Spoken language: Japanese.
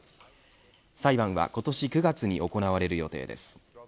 裁判は今年９月に行われる予定です。